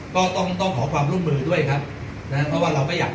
ก็ต้องต้องขอความร่วมมือด้วยครับนะเพราะว่าเราก็อยาก